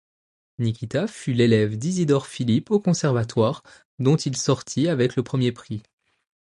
Nikita fut l'élève d'Isidore Philipp au Conservatoire, dont il sortit avec le premier prix.